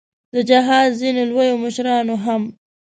د جهاد ځینو لویو مشرانو هم.